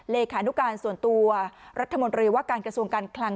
เลขานุการส่วนตัวรัฐมนตรีว่าการกระทรวงการคลัง